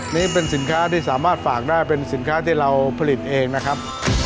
นี่เป็นสินค้าที่สามารถฝากได้เป็นสินค้าที่เราผลิตเองนะครับ